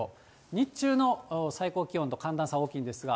日中の最高気温と寒暖差大きいですが。